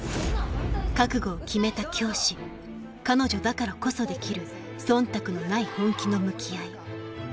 覚悟を決めた教師彼女だからこそできる忖度のない本気の向き合い